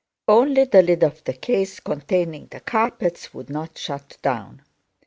Only the lid of the case containing the carpets would not shut down.